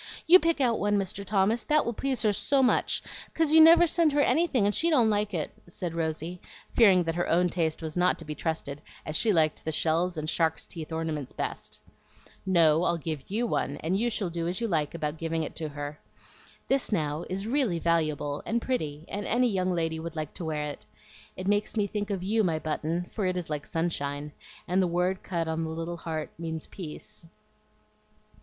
"You pick out one, Mr. Thomas, that will please her so much, 'cause you never send her anything, and she don't like it," said Rosy, fearing that her own taste was not to be trusted, as she liked the shells and shark's teeth ornaments best. "No, I'll give YOU one, and you shall do as you like about giving it to her. This, now, is really valuable and pretty, and any young lady would like to wear it. It makes me think of you, my Button, for it is like sunshine, and the word cut on the little heart means peace."